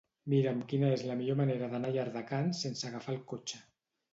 Mira'm quina és la millor manera d'anar a Llardecans sense agafar el cotxe.